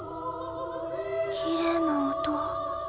きれいな音。